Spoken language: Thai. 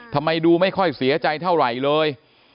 ทำไมดูไม่ค่อยเสียใจเท่าไหร่เลย